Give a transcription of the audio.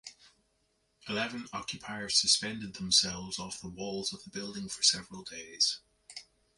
Eleven occupiers suspended themselves off the walls of the building for several days.